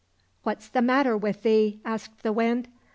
"—" What's the matter with thee ?" asked the Wind.